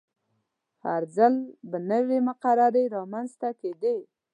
هر ځل به نوې مقررې رامنځته کیدې.